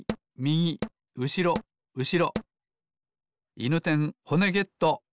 いぬてんほねゲット！